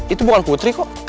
itu bukan putri kok